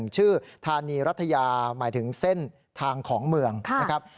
ชื่อธานีรัฐยาหมายถึงเส้นทางของเมืองนะครับ